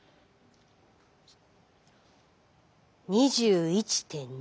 ２１．２。